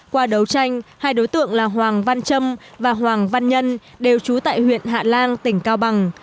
qua đấu tranh hai đối tượng là hoàng văn trâm và hoàng văn nhân đều trú tại huyện hạ lan tỉnh cao bằng